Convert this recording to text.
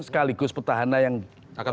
sekaligus petahana yang akan